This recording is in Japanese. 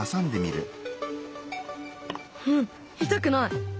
うん痛くない。